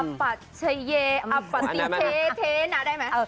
อับปะเฉยอับปะติเทเทนะได้ไหม